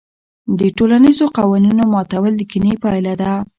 د ټولنیزو قوانینو ماتول د کینې پایله ده.